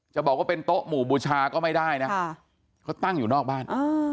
จะบอกว่าเป็นโต๊ะหมู่บูชาก็ไม่ได้นะเขาตั้งอยู่นอกบ้าน